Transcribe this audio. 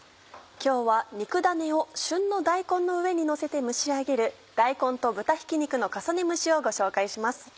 今日は肉だねを旬の大根の上にのせて蒸し上げる「大根と豚ひき肉の重ね蒸し」をご紹介します。